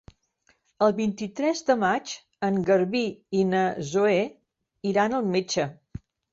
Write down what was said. El vint-i-tres de maig en Garbí i na Zoè iran al metge.